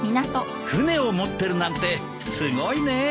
船を持ってるなんてすごいね。